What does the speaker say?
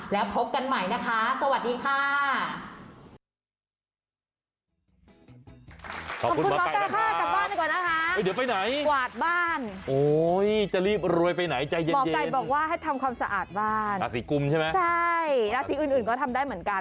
แล้วพบกันใหม่นะคะสวัสดีค่ะ